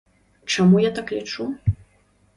Чаму я так лічу?